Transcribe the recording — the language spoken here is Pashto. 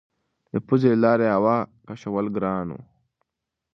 د پوزې له لارې یې د هوا کشول ګران وو.